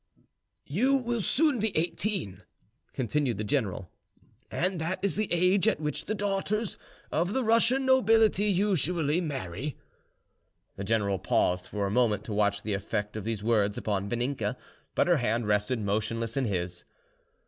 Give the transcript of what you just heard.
"You will soon be eighteen," continued the general, "and that is the age at which the daughters of the Russian nobility usually marry." The general paused for a moment to watch the effect of these words upon Vaninka, but her hand rested motionless in his.